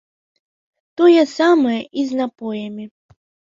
Тое самае і з напоямі.